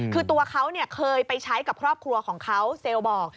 คือตัวเขาเคยไปใช้กับครอบครัวของเขาเซลล์บอก